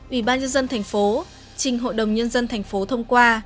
ủy ban nhân dân thành phố trình hội đồng nhân dân thành phố thông qua